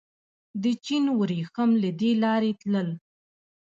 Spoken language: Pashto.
د چین وریښم له دې لارې تلل